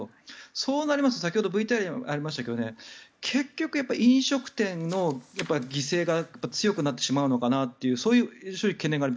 そうなりますと先ほどＶＴＲにもありましたが結局、飲食店の犠牲が強くなってしまうのかなというそういう懸念がある。